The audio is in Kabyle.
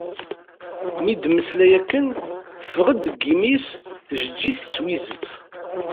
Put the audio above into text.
Mi d-temmeslay akken, teﬀeɣ-d seg yimi-s tjeğğigt d twizet.